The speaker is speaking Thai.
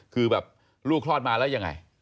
คือแบบลูกคลอดมาแล้วยังไง